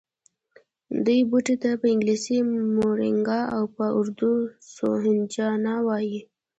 دې بوټي ته په انګلیسي مورینګا او په اردو سوهنجنا وايي